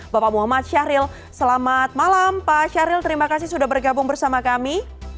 bapak muhammad syahril selamat malam pak syahril terima kasih sudah bergabung bersama kami